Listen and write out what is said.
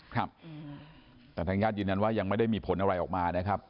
ครับแต่ทางญาติยืนยันว่ายังไม่ได้มีผลอะไรออกมานะครับ